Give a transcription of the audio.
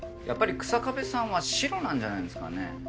やっぱり日下部さんはシロなんじゃないんですかね。